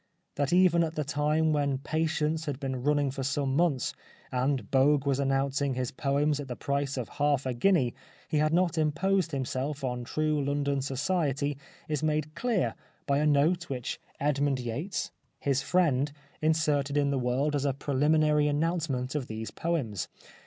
That even at the time when '' Patience " had been running for some months and Bogue was announcing his poems at the price of half a guinea he had not imposed himself on true London society is made clear by a note which Edmund Yates, his friend, 179 The Life of Oscar Wilde inserted in The World as a preliminary announce ment of these poems.